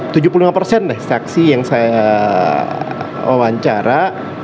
tujuh puluh lima deh saksi yang saya wawancara